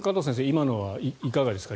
今のはいかがですか。